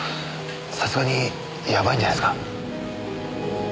さすがにやばいんじゃないですか？